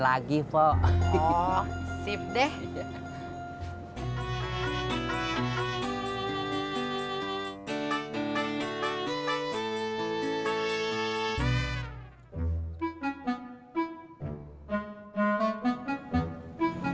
iya biar sarapannya banyak biar nanti siang gak makan